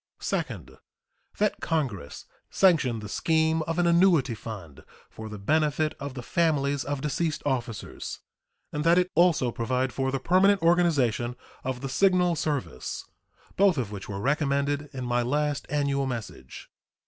Second. That Congress sanction the scheme of an annuity fund for the benefit of the families of deceased officers, and that it also provide for the permanent organization of the Signal Service, both of which were recommended in my last annual message.